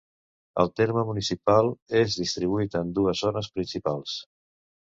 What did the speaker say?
El terme municipal és distribuït en dues zones principals.